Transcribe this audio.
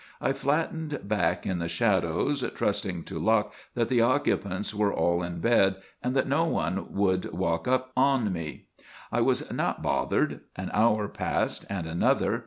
I flattened back in the shadows, trusting to luck that the occupants were all in bed and that no one would walk up on me. I was not bothered. An hour passed and another.